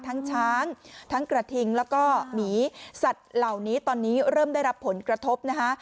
ช้างทั้งกระทิงแล้วก็หมีสัตว์เหล่านี้ตอนนี้เริ่มได้รับผลกระทบนะคะ